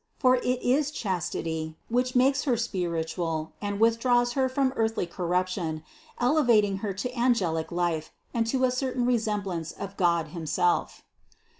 For it is chastity, which makes her spiritual and withdraws her from earth ly corruption, elevating her to angelic life and to a certain resemblance of God himself.